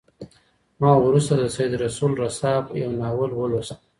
ما وروسته د سید رسول رسا یو ناول ولوست.